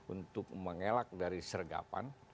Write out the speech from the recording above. untuk mengelak dari sergapan